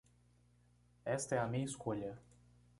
Esta é a minha escolha